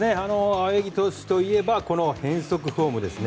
青柳投手といえば変則フォームですね。